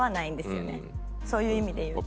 そういう意味で言うと。